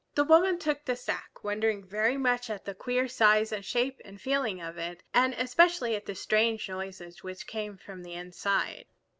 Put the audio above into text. The woman took the sack, wondering very much at the queer size and shape and feeling of it, and especially at the strange noises which came from the inside.